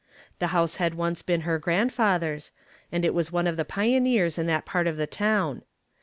The house had once been her grandfather's, and it was one of the pioneers in that part of the town.